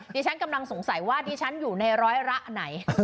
ดิฉันกำลังสงสัยว่าดิฉันอยู่ในร้อยละไหน